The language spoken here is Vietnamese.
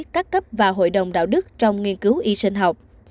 các cấp và hội đồng đạo đức trong nghiên cứu y sinh học